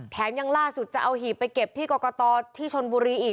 ยังล่าสุดจะเอาหีบไปเก็บที่กรกตที่ชนบุรีอีก